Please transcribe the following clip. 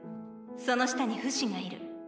その下にフシがいる。